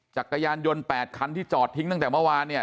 จักรยานยนต์๘คันที่จอดทิ้งตั้งแต่เมื่อวานเนี่ย